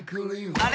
あれ？